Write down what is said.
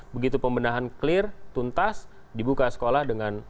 begitu pembenahan clear tuntas dibuka sekolah dengan